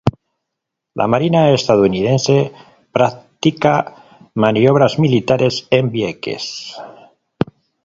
La marina estadounidense practica maniobras militares en Vieques.